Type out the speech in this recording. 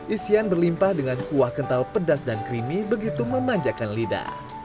isian berlimpah dengan kuah kental pedas dan creamy begitu memanjakan lidah